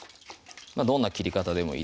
どんな切り方でもいいです